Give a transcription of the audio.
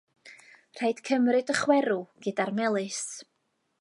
Rhaid cymryd y chwerw gyda'r melys.